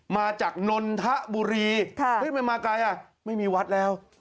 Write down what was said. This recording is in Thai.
มาจากนนทบุรีมันมาไกลอ่ะไม่มีวัดแล้ว